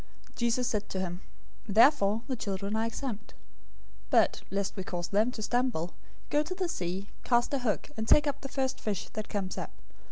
Jesus said to him, "Therefore the children are exempt. 017:027 But, lest we cause them to stumble, go to the sea, cast a hook, and take up the first fish that comes up.